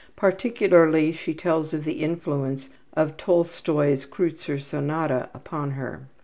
Particularly she tells of the influence of Tolstoi's ``Kreutzer Sonata'' upon her.